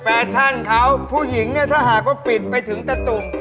แฟชั่นเขาผู้หญิงเนี่ยถ้าหากว่าปิดไปถึงตะตุ่ม